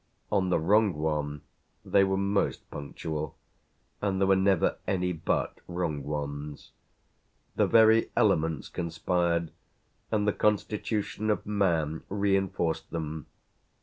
On the wrong one they were most punctual, and there were never any but wrong ones. The very elements conspired and the constitution of man reinforced them.